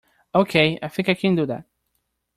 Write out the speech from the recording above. Okay, I think I can do that.